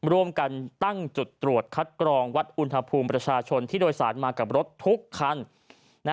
ร่วมกันตั้งจุดตรวจคัดกรองวัดอุณหภูมิประชาชนที่โดยสารมากับรถทุกคัน